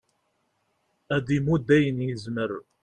ad d-imudd ayen yezmer